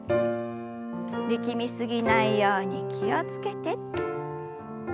力み過ぎないように気を付けて。